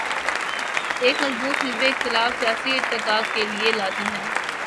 ایک مضبوط حزب اختلاف سیاسی ارتقا کے لیے لازم ہے۔